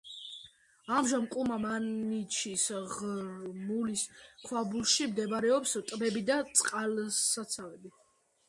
ამჟამად კუმა-მანიჩის ღრმულის ქვაბულში მდებარეობს ტბები და წყალსაცავები.